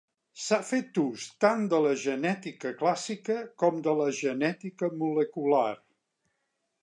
S'ha fet ús tant de la genètica clàssica com de la genètica molecular.